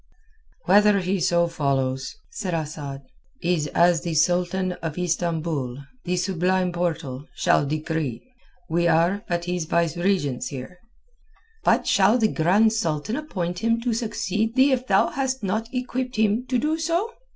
"Whether he so follows," said Asad, "is as the Sultan of Istambul, the Sublime Portal, shall decree. We are but his vicegerents here." "But shall the Grand Sultan appoint him to succeed thee if thou hast not equipped him so to do?